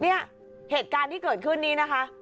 เหตุการณ์ที่เกิดขึ้นนี้นะคะ